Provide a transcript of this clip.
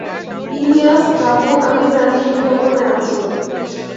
ইলিয়াস, বাবু, আমি জানি তুমি ওখানে আছো।